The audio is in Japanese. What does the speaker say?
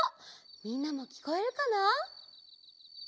みんなもきこえるかな？